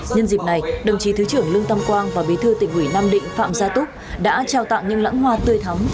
nhân dịp này đồng chí thứ trưởng lương tâm quang và bí thư tỉnh ủy nam định phạm gia túc đã trao tặng những lãng hoa tươi thắm